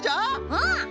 うん！